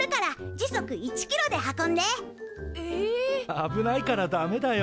危ないからダメだよ。